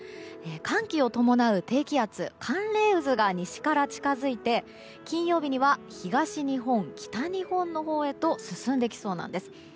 寒気を伴う低気圧寒冷渦が西から近づいて金曜日には東日本、北日本へと進んできそうなんです。